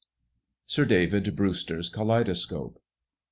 SIR DAVID BREWSTER'S KALEIDOSCOPE.